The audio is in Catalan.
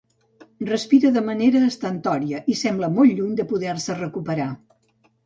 Respira de manera estentòria i sembla molt lluny de poder-se recuperar.